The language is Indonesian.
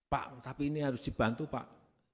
pak tapi ini harus dibantu pak